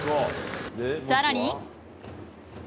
さらに。